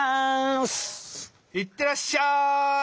いってらっしゃい！